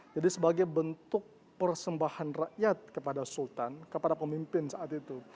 jadi sebagai bentuk persembahan rakyat kepada sultan kepada pemimpin saat itu